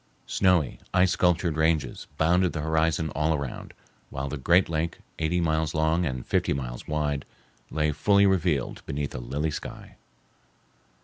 Snowy, ice sculptured ranges bounded the horizon all around, while the great lake, eighty miles long and fifty miles wide, lay fully revealed beneath a lily sky.